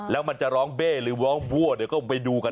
แล้วมันจะร้องเบ้หรือร้องวัวก็คงไปดูกัน